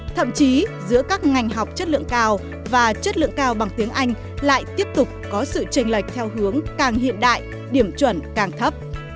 thậm chí giữa các ngành học chất lượng cao và chất lượng cao bằng tiếng anh lại tiếp tục có sự tranh lệch theo hướng càng hiện đại điểm chuẩn càng thấp